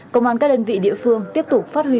công an các đơn vị địa phương tiếp tục phát huy